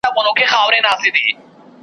بلکه خپل وړوکی ځان یې سمندر سو .